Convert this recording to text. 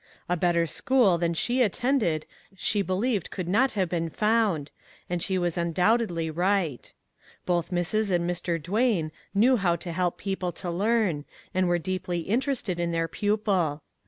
A better school than she attended she believed could not have been found, and she was undoubtedly right. Both Mrs. and Mr. Duane knew how to help people to learn, and were deeply interested in their pupil.